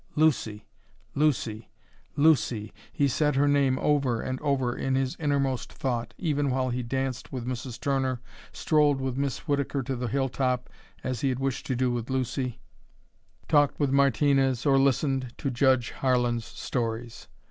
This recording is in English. Lucy Lucy Lucy he said her name over and over in his innermost thought, even while he danced with Mrs. Turner, strolled with Miss Whittaker to the hilltop, as he had wished to do with Lucy, talked with Martinez, or listened to Judge Harlan's stories.